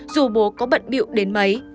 dù bố có bận biệu đến mấy